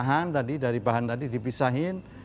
bahan tadi dari bahan tadi dipisahin